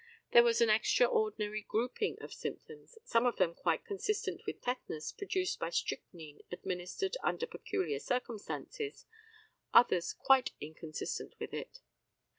There was an extraordinary grouping of symptoms, some of them quite consistent with tetanus produced by strychnine administered under peculiar circumstances, others quite inconsistent with it.